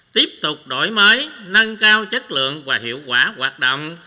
tiếp tục đổi mới nâng cao chất lượng và hiệu quả hoạt động